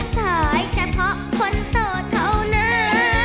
ถอยเฉพาะคนโสดเท่านั้น